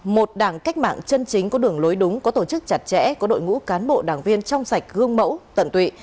một đảng cách mạng chân chính có đường lối đúng có tổ chức chặt chẽ có đội ngũ cán bộ đảng viên trong sạch gương mẫu tận tụy